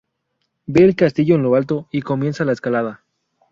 Ve el castillo en lo alto y comienzan la escalada...